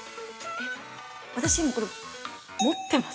◆私、今これ持ってます？